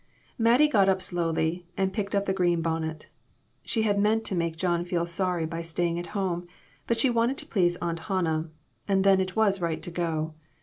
Mattie got up slowly and picked up the green bonnet. She had meant to make John feel sorry by staying at home, but she wanted to please Aunt Hannah, and then it was right to go.